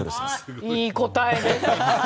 いい答えですね！